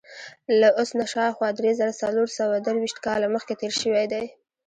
له اوس نه شاوخوا درې زره څلور سوه درویشت کاله مخکې تېر شوی دی.